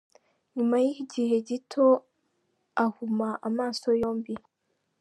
Nyuma y’igihe gito ahuma amaso yombi.